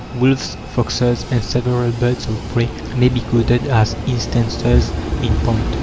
Wolves, foxes, and several birds of prey may be quoted as instances in point.